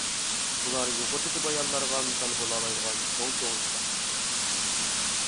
بۇلار يۇقىرىدىكى بايانلارغا مىسال بولالايدىغان چوڭ-چوڭ ئىشلار.